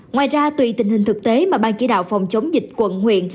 ngoài ra tùy tình hình thực tế mà ban chỉ đạo phòng chống dịch quận huyện